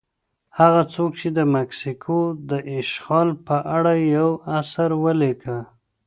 هغه څوک چې د مکسیکو د اشغال په اړه یو اثر ولیکه.